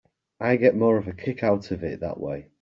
I get more of a kick out of it that way.